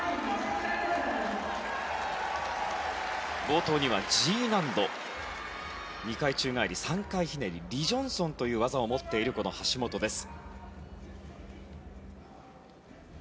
冒頭にはＧ難度２回宙返り３回ひねりリ・ジョンソンという技を持っている橋本です。